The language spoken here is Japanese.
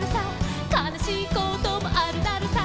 「かなしいこともあるだろさ」